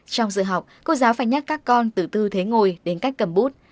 trong giờ học cô giáo phải nhắc các con từ tư thế ngồi đến cách cầm bút